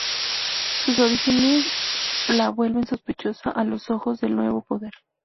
Sus orígenes la vuelven sospechosa a los ojos del nuevo poder.